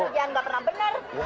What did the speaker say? udah kerjaan gak pernah benar